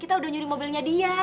kita udah nyuruh mobilnya dia